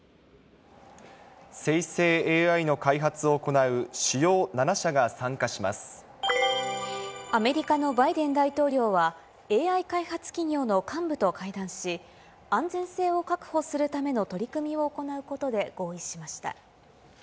生成ＡＩの開発を行う、アメリカのバイデン大統領は、ＡＩ開発企業の幹部と会談し、安全性を確保するための取り組みを行うことで合意しました。